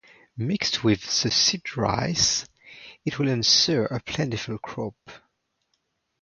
Mixed with the seed-rice, it will ensure a plentiful crop.